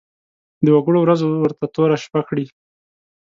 د وګړو ورځ ورته توره شپه کړي.